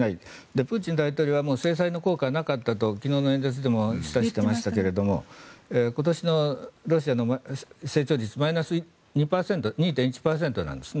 プーチン大統領は制裁の効果はなかったと昨日の演説でも言ってましたが今年のロシアの成長率はマイナス２．１％なんですね。